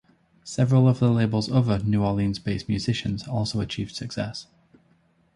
Several of the label's other New Orleans-based musicians also achieved success.